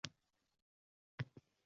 Bundan ulug’